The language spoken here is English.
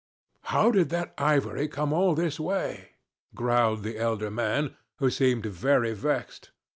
'How did that ivory come all this way?' growled the elder man, who seemed very vexed.